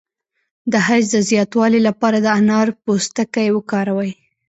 د حیض د زیاتوالي لپاره د انار پوستکی وکاروئ